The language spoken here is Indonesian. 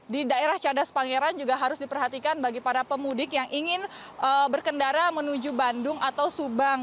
di daerah cadas pangeran juga harus diperhatikan bagi para pemudik yang ingin berkendara menuju bandung atau subang